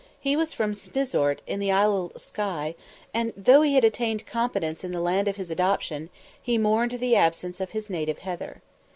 He was from Snizort, in the Isle of Skye, and, though he had attained competence in the land of his adoption, he mourned the absence of his native heather.